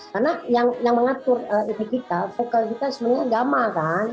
karena yang mengatur itu kita vokal kita sebenarnya gama kan